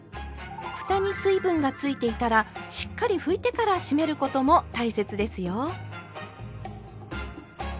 ふたに水分がついていたらしっかり拭いてから閉めることも大切ですよ。